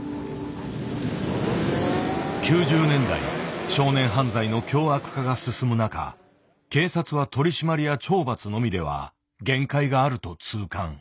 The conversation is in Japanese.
９０年代少年犯罪の凶悪化が進む中警察は取り締まりや懲罰のみでは限界があると痛感。